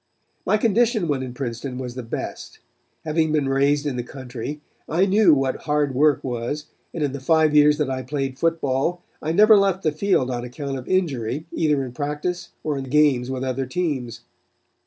"My condition when in Princeton was the best. Having been raised in the country, I knew what hard work was and in the five years that I played football I never left the field on account of injury either in practice or in games with other teams.